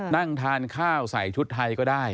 นั่งทานข้าวใส่ชุดไทยก็ได้